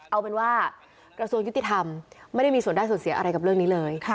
เอาเป็นว่ากระทรวงยุติธรรมไม่ได้มีส่วนได้ส่วนเสียอะไรกับเรื่องนี้เลย